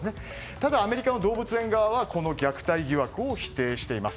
ただ、アメリカの動物園側はこの虐待疑惑を否定しています。